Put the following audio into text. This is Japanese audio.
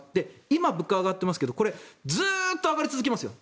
今、物価が上がっていますがこれ、ずっと上がり続けますよ。